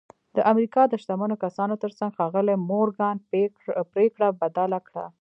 د امریکا د شتمنو کسانو ترڅنګ ښاغلي مورګان پرېکړه بدله کړه